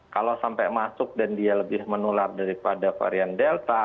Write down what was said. kalau sampai masuk dan dia lebih menular daripada varian delta